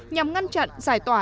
nhằm ngăn chặn giải tỏa